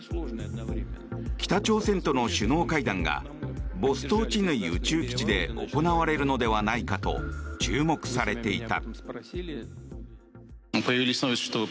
北朝鮮との首脳会談がボストーチヌイ宇宙基地で行われるのではないかと注目されていた。